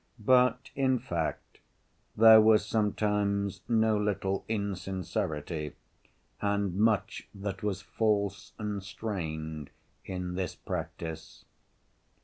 But, in fact, there was sometimes no little insincerity, and much that was false and strained in this practice.